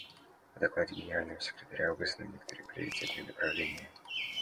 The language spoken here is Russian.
В докладе Генерального секретаря указаны некоторые приоритетные направления.